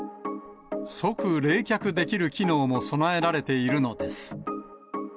即冷却できる機能も備えられているのです。